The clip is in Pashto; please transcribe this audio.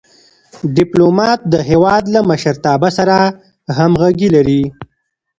ډيپلومات د هېواد له مشرتابه سره همږغي لري.